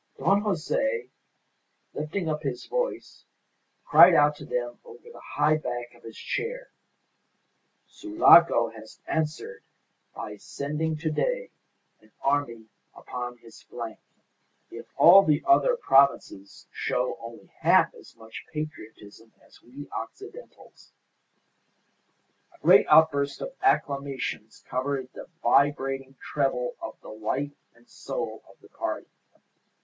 Don Jose, lifting up his voice, cried out to them over the high back of his chair, "Sulaco has answered by sending to day an army upon his flank. If all the other provinces show only half as much patriotism as we Occidentals " A great outburst of acclamations covered the vibrating treble of the life and soul of the party.